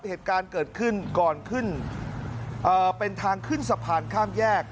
เหตุการณ์เกิดขึ้นก่อนขึ้นเป็นทางขึ้นสะพานข้ามแยก